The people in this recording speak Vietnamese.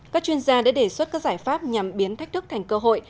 các chuyên gia đã đề xuất các giải pháp nhằm biến thách thức thành cơ hội